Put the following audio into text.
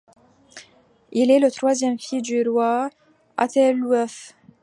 Il est le troisième fils du roi Æthelwulf.